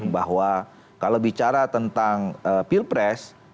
bahwa kalau bicara tentang pilpres